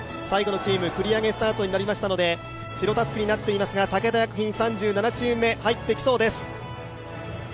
最後のチーム、繰り上げスタートになりましたので、白たすきになっていますが武田薬品３７チーム目、入ってきそうです。